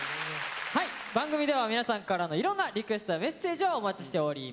はい番組では皆さんからのいろんなリクエストやメッセージをお待ちしております。